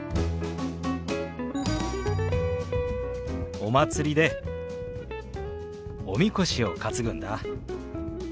お祭りでおみこしを担ぐんだ。